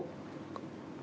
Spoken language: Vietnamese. cách mạng của mình